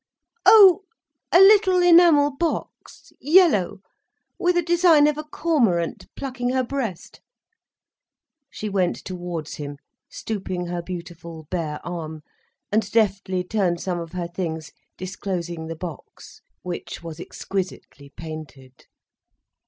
"Oh, a little enamel box—yellow—with a design of a cormorant plucking her breast—" She went towards him, stooping her beautiful, bare arm, and deftly turned some of her things, disclosing the box, which was exquisitely painted.